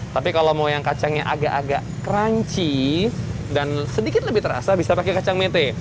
tapi kalau mau yang kacangnya agak agak crunchy dan sedikit lebih terasa bisa pakai kacang mete